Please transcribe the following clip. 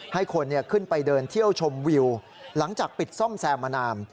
ให้คนขึ้นไปเดินเที่ยวชมวิวหลังจากปิดซ่อมแซมมานาน